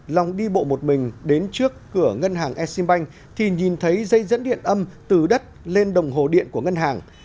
long đi bộ một mình đến trước cửa ngân hàng exim bank thì nhìn thấy dây dẫn điện âm từ đất lên đồng hồ điện của ngân hàng